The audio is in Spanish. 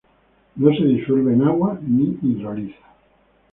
No se disuelve en agua ni hidroliza.